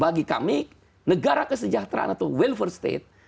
jadi kami negara kesejahteraan atau welfare state